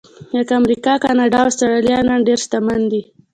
لکه امریکا، کاناډا او اسټرالیا نن ډېر شتمن دي.